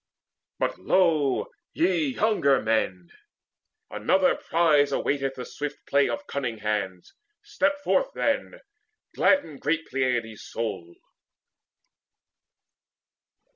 But lo, ye younger men, another prize Awaiteth the swift play of cunning hands. Step forth then: gladden great Peleides' soul."